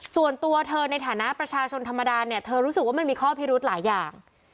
ส่วนตัวเธอในฐานะประชาชนธรรมดาเนี่ยเธอรู้สึกว่ามันมีข้อพิรุธหลายอย่าง